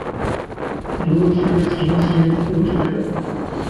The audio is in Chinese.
留职停薪复职者